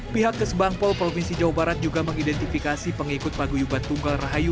pihak kesebangpol provinsi jawa barat juga mengidentifikasi pengikut paguyuban tunggal rahayu